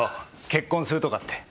結婚するとかって。